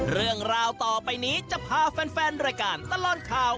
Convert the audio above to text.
เรื่องราวต่อไปนี้จะพาแฟนรายการตลอดข่าว